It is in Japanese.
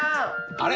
あれ？